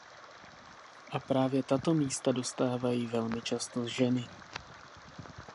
A právě tato místa dostávají velmi často ženy.